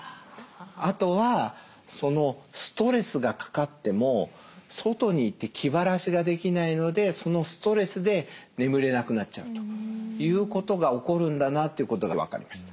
あとはストレスがかかっても外に行って気晴らしができないのでそのストレスで眠れなくなっちゃうということが起こるんだなということが分かりました。